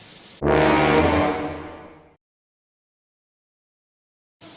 ครับ